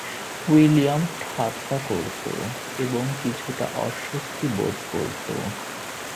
William ঠাট্টা করত এবং কিছুটা অস্বস্তি বোধ করত।